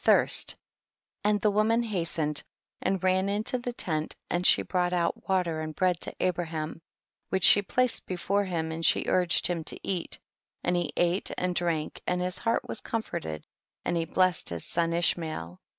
thirst ; and the woman hastened and ran into the tent and she brought out water and bread to Abraham, which she placed before him and she urged him to eat, and he ate and drank and his heart was comforted and he blessed his son Ishmael.